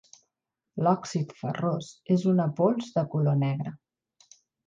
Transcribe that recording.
L'òxid ferrós és una pols de color negre.